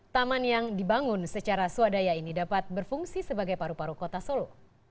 taman yang dibangun secara swadaya ini dapat berfungsi sebagai paru paru kota solo